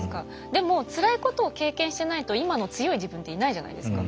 でもつらいことを経験してないと今の強い自分っていないじゃないですか。